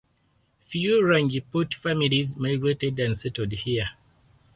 Few Rajput families migrated and settled here.